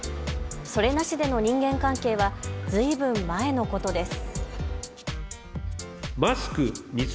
それなしでの人間関係はずいぶん前のことです。